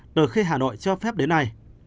từ khi hà nội cho phép đến nay